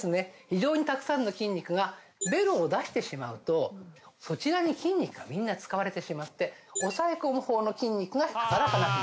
非常にたくさんの筋肉がべろを出してしまうとそちらに筋肉がみんな使われてしまって抑え込む方の筋肉が働かなくなる。